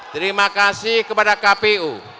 terima kasih kepada kpu